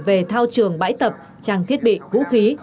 về thao trường bãi tập trang thiết bị vũ khí